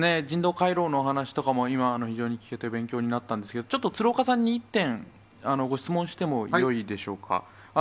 人道回廊のお話とかも今、聞けて、非常に勉強になったんですけれども、ちょっと鶴岡さんに一点、ご質問してもよいでしょうか。